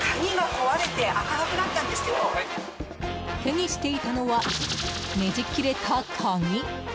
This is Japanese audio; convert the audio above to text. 手にしていたのはねじ切れた鍵。